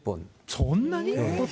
そんなに？